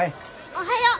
おはよう。